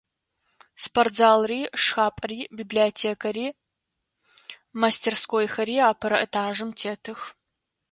Спортзалри, шхапӏэри, библиотекэри, мастерскойхэри апэрэ этажым тетых.